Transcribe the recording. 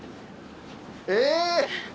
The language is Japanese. えっ！